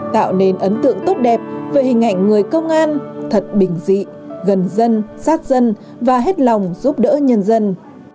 tạo nên ấn tượng tốt đẹp về hình ảnh người công an thật bình dị gần dân sát dân và hết lòng giúp đỡ nhân dân